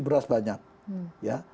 beras banyak ya